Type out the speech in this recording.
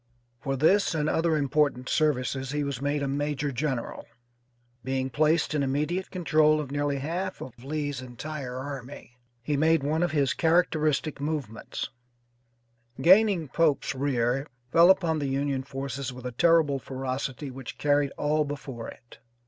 For this and other important services he was made a major general. Being placed in immediate control of nearly half of Lee's entire army, he made one of his characteristic movements; gaining Pope's rear, fell upon the Union forces with a terrible ferocity which carried all before it.